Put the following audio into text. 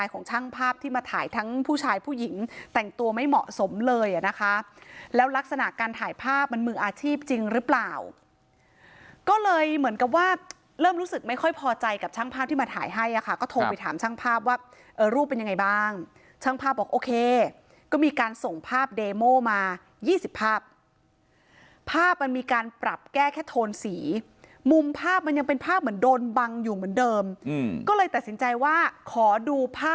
ของช่างภาพที่มาถ่ายทั้งผู้ชายผู้หญิงแต่งตัวไม่เหมาะสมเลยอ่ะนะคะแล้วลักษณะการถ่ายภาพมันมืออาชีพจริงหรือเปล่าก็เลยเหมือนกับว่าเริ่มรู้สึกไม่ค่อยพอใจกับช่างภาพที่มาถ่ายให้อ่ะค่ะก็โทรไปถามช่างภาพว่ารูปเป็นยังไงบ้างช่างภาพบอกโอเคก็มีการส่งภาพเดโมมา๒๐ภาพภาพมันมีการป